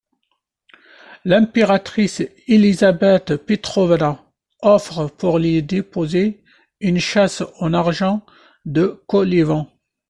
L'impératrice Elisabeth Petrovna offre pour les y déposer une châsse en argent de Kolyvan.